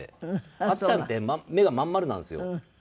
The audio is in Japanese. あっちゃんって目がまん丸なんですよ。